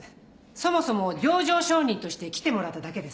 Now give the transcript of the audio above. そもそも情状証人として来てもらっただけです。